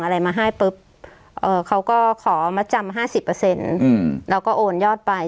อะไรมาให้ปุ๊บเอ่อเขาก็ขอมาจำห้าสิบเปอร์เซ็นต์อืมแล้วก็โอนยอดไป